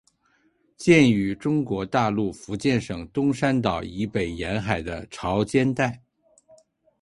见于中国大陆福建省东山岛以北沿海的潮间带。